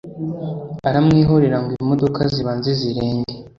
aramwihorera ngo imodoka zibanze zirenge.